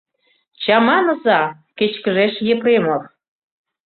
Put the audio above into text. Чаманыза... — кечкыжеш Епремов.